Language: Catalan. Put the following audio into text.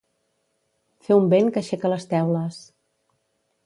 Fer un vent que aixeca les teules.